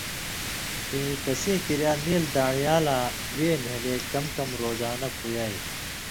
کھیں تسیں کریا نیل دان٘ڑیالاں وے نھیلے کم کم روزانہ پُویائ۔